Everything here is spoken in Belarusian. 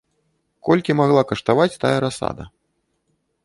Колькі магла каштаваць тая расада?